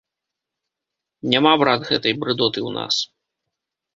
Няма, брат, гэтай брыдоты ў нас!